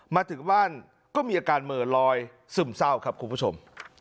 มาถึงบ้านก็มีอาการเหม่อลอยซึมเศร้าครับคุณผู้ชม